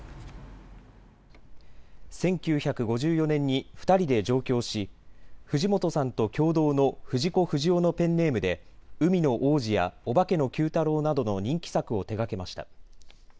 １９５４年に２人で上京し藤本さんと共同の藤子不二雄のペンネームで海の王子やオバケのＱ太郎などの人気作を手がけました。